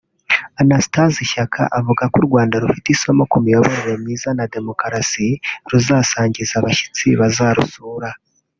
Anastase Shyaka avuga ko u Rwanda rufite isomo ku miyoborere myiza na Demokarasi ruzasangiza abashyitsi bazarusura